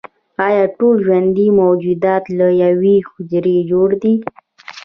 ایا ټول ژوندي موجودات له یوې حجرې جوړ دي